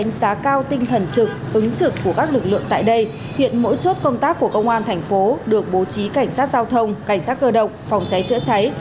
và cái tinh thần thi đấu rất là tốt vì vậy là cũng rất mong là các em sẽ thể hiện tốt tại cái sea games này